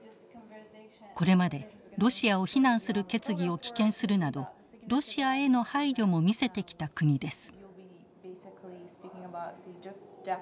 これまでロシアを非難する決議を棄権するなどロシアへの配慮も見せてきた国です。